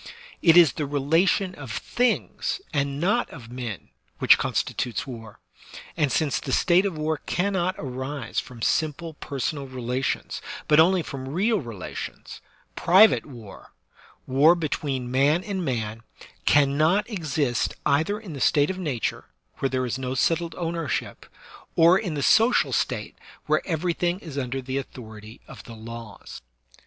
It is the relation of things and not of men which constitutes war; and since the state of war cannot arise from simple personal relations, but only from real relations, private war — war between man and man — cannot exist either in the state of nature, where there is no settled ownership, or in the social state where everything is under the authority of the laws.